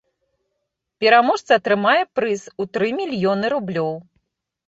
Пераможца атрымае прыз у тры мільёны рублёў.